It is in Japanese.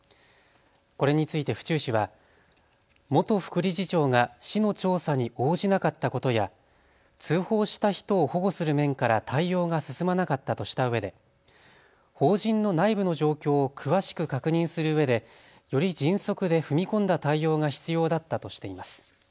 これについて府中市は元副理事長が市の調査に応じなかったことや通報した人を保護する面から対応が進まなかったとしたうえで法人の内部の状況を詳しく確認するうえでより迅速で踏み込んだ対応が必要だったとしています。